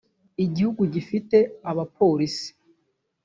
igihugu gifite abapolisi.